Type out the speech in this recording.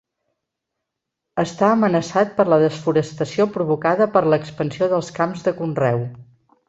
Està amenaçat per la desforestació provocada per l'expansió dels camps de conreu.